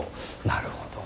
なるほど。